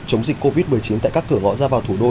chống dịch covid một mươi chín tại các cửa ngõ ra vào thủ đô